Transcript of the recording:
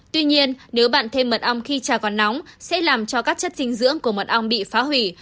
tuy nhiên nếu bạn thêm mật ong khi trà vào nóng sẽ làm cho các chất dinh dưỡng của mật ong bị phá hủy